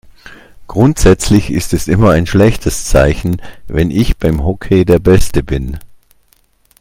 Grundsätzlich ist es immer ein schlechtes Zeichen, wenn ich beim Hockey der Beste bin.